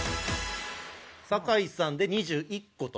酒井さんで２１個と。